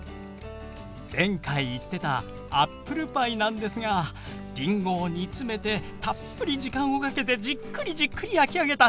前回言ってたアップルパイなんですがりんごを煮詰めてたっぷり時間をかけてじっくりじっくり焼き上げた